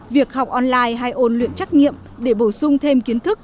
việc học online hay ôn luyện trách nghiệm để bổ sung thêm kiến thức